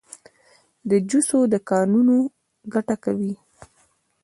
د جوسو دکانونه ګټه کوي؟